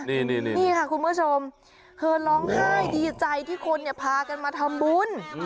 นี่ค่ะคุณผู้ชมเธอร้องไห้ดีใจที่คนพากันมาทำบุญ